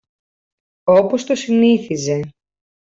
όπως το συνήθιζε